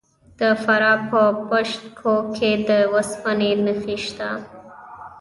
د فراه په پشت کوه کې د وسپنې نښې شته.